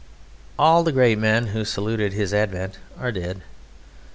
All the great men who saluted his advent are dead.